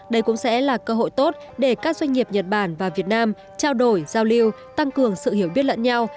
đây cũng sẽ là cơ hội tốt để các doanh nghiệp nhật bản và việt nam trao đổi giao lưu tăng cường sự hiểu biết lẫn nhau